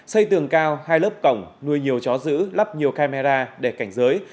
xây tường cao hai lớp cổng nuôi nhiều chó giữ lắp nhiều camera để cảnh giới